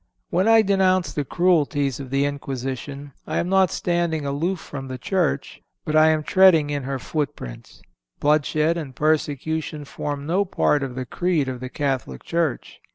When I denounce the cruelties of the Inquisition I am not standing aloof from the Church, but I am treading in her footprints. Bloodshed and persecution form no part of the creed of the Catholic Church.